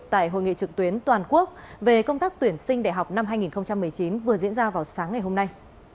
tại hội nghị trực tuyến toàn quốc về công tác tuyển sinh đại học năm hai nghìn một mươi chín vừa diễn ra vào sáng ngày hôm nay